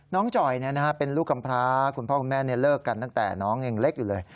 จ่อยเป็นลูกกำพร้าคุณพ่อคุณแม่เลิกกันตั้งแต่น้องยังเล็กอยู่เลย